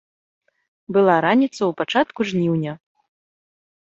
Была раніца ў пачатку жніўня.